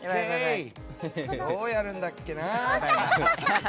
どうやるんだっけ？